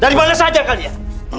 dari mana saja kalian